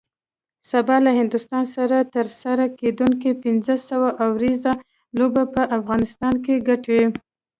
سبا له هندوستان سره ترسره کیدونکی پنځوس اوریزه لوبه به افغانستان ګټي